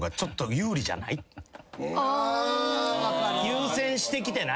優先してきてない？